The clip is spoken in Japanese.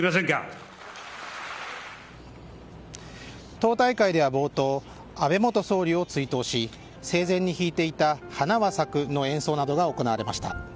党大会では冒頭安倍元総理を追悼し生前に弾いていた花は咲くの演奏などが行われました。